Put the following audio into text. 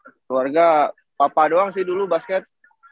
keluarga papa doang sih dulu basket